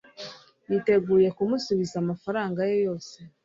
yiteguye kumusubiza amafaranga ye yose